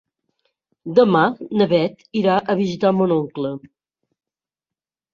Demà na Bet irà a visitar mon oncle.